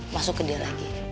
masuk ke dia lagi